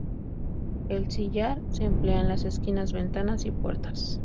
El sillar se emplea en las esquinas, ventanas y puertas.